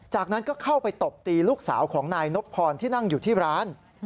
จากนั้นก็เข้าไปตบตีลูกสาวของนายนบพรที่นั่งอยู่ที่ร้าน